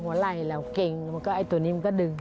หัวไหล่แล้วเก่งไอฉันตัวนี้มันก็ดึง